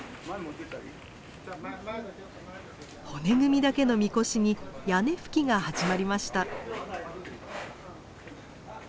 骨組みだけの神輿に屋根葺きが始まりました。